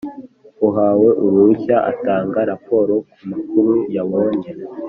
uwahawe uruhushya atanga raporo ku makuru yabonye